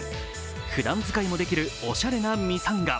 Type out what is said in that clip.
ふだん使いもできるおしゃれなミサンガ。